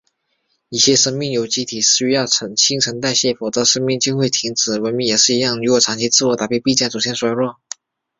一切生命有机体都需要新陈代谢，否则生命就会停止。文明也是一样，如果长期自我封闭，必将走向衰落。